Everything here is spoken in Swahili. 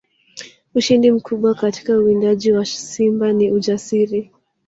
Ushindi mkubwa katika uwindaji wa simba ni ujasiri